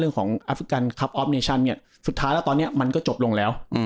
ของแอฟริกันครับออฟเนชั่นเนี่ยสุดท้ายแล้วตอนนี้มันก็จบลงแล้ว